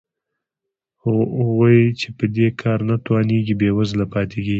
خو هغوی چې په دې کار نه توانېږي بېوزله پاتې کېږي